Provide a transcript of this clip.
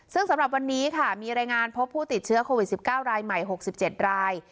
ซึ่งสำหรับวันนี้ค่ะมีรายงานพบผู้ติดเชื้อโควิด๑๙รายใหม่๖๗ราย